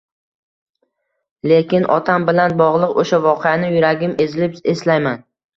Lekin otam bilan bog‘liq o‘sha voqeani yuragim ezilib eslayman.